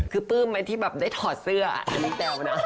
คือปลื้มไหมที่แบบได้ถอดเสื้ออันนี้แซวนะ